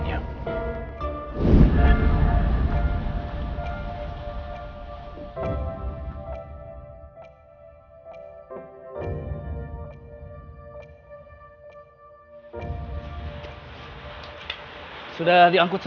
namun sekarang saya